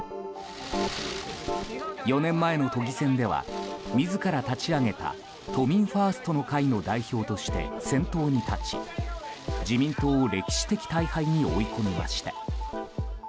４年前の都議選では自ら立ち上げた都民ファーストの会の代表として先頭に立ち自民党を歴史的大敗に追い込みました。